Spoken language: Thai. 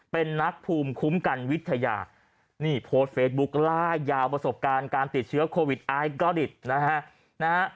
เป็นนักภูมิคุ้มกันวิทยานี่โพสต์เฟซบุ๊คล่ายาวประสบการณ์การติดเชื้อโควิดไอก็ริตนะฮะ